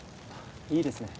いいですね